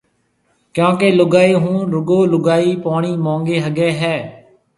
ڪيونڪہ لُگائي هون رُگو لُگائي پوڻِي مونگي هگھيَََ هيَ۔